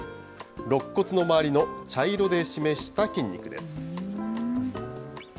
ろっ骨の周りの茶色で示した筋肉です。